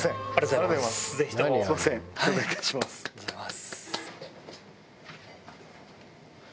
ありがとうございます。